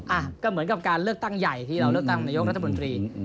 อ่ะก็เหมือนกับการเลือกตั้งใหญ่ที่เราเลือกตั้งนายกรัฐมนตรี